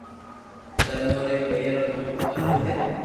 ڪرمون ري پيتا رو نوم راجو ھي